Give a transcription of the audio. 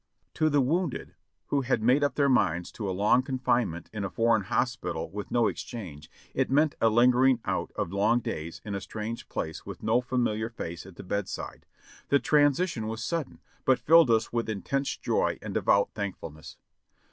To the wounded, w4io had made up their minds to a long con finement in a foreign hospital with no exchange, it meant a lin gering out of long days in a strange place with no familiar face at the bedside; the transition was sudden, but filled us with in tense joy and devout thankfulness.